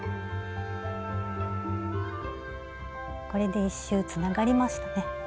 これで１周つながりましたね。